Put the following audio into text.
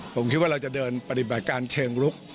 ผมคิดว่าเราจะเดินปฏิบัติการเชิงลุก